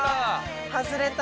外れた。